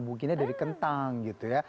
mungkinnya dari kentang gitu ya